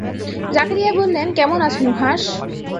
জাকারিয়া বললেন, কেমন আছ নুহাশ?